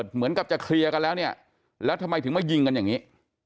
เหมือนกับจะเคลียร์กันแล้วเนี่ยแล้วทำไมถึงมายิงกันอย่างนี้